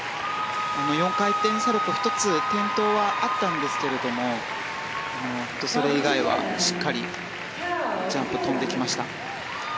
４回転サルコウ１つ転倒はあったんですがそれ以外はしっかりジャンプ跳んでいきました。